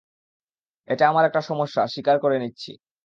এটা আমার একটা সমস্যা, স্বীকার করে নিচ্ছি।